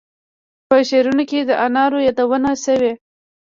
په شعرونو کې د انارو یادونه شوې.